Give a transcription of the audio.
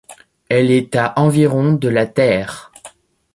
Elle est à environ de la Terre.